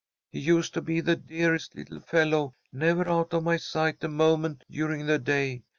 He used to be the dearest little fellow, never out of my sight a moment during the day.